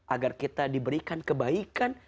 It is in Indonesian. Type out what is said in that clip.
agar kita diberikan kebaikan